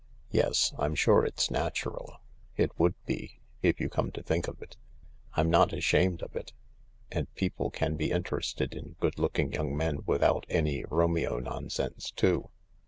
Yes, I'm sure it's natural. It would be, if you come to think of it. I'm not ashamed of it. And people can be interested in good looking young men without any Romeo nonsense too.